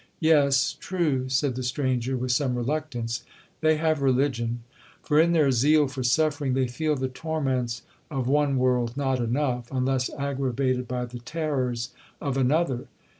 '—'Yes,—true,' said the stranger, with some reluctance, 'they have religion; for in their zeal for suffering, they feel the torments of one world not enough, unless aggravated by the terrors of another.